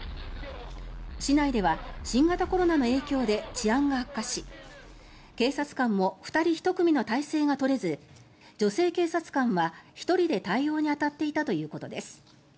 市内では新型コロナの影響で治安が悪化し警察官も２人１組の態勢が取れず女性警察官は１人で対応に当たっていたということです。